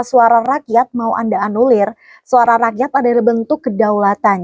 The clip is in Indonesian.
suara rakyat ada dari bentuk kedaulatan